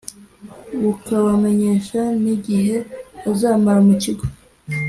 bukabamenyesha n igihe azamara mu kigo